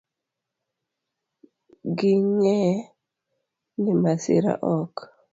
Ging'e ni masira ok